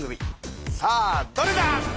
さあどれだ？